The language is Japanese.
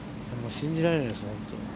信じられないですね、本当に。